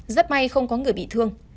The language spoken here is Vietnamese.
rất may không có người bị thương